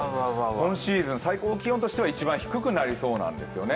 今シーズン最高気温としては一番低くなりそうですね。